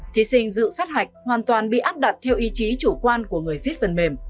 thí sinh dự sát hạch hoàn toàn bị áp đặt theo ý chí chủ quan của người viết phần mềm